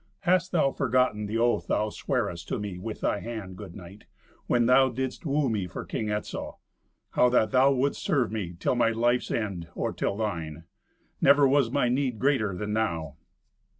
Hast thou forgotten the oath thou swearest to me with thy hand, good knight, when thou didst woo me for King Etzel—how that thou wouldst serve me till my life's end, or till thine? Never was my need greater than now."